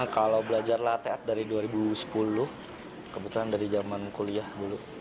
kalau belajar latheat dari dua ribu sepuluh kebetulan dari zaman kuliah dulu